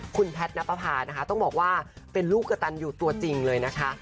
คุณแพทย์นับประพานะคะต้องบอกว่าเป็นลูกกระตันอยู่ตัวจริงเลยนะคะ